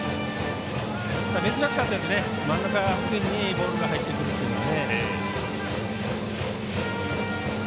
珍しかったですね、真ん中付近にボールが入ってくるというのは。